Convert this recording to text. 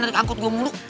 lari angkut gue mulu